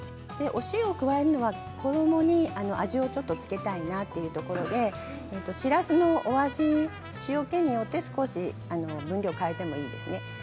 お塩を加えるのは衣に味をちょっと付けたいなというところでしらすのお味、塩けによって少し分量を変えてもいいですね。